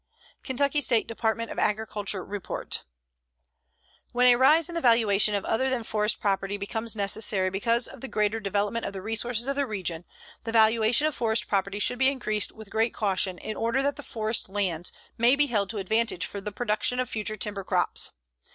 KENTUCKY STATE DEPARTMENT OF AGRICULTURE REPORT: When a rise in the valuation of other than forest property becomes necessary because of the greater development of the resources of the region, the valuation of forest property should be increased with great caution in order that the forest lands may be held to advantage for the production of future timber crops.